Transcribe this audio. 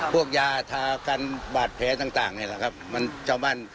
พวกยาทากันบาดแผลต่างนี่แหละครับมันชาวบ้าน